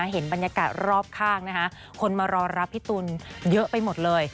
เห็นบรรยากาศรอบข้างคนมารอรับพี่ตูนเยอะไปหมดเลย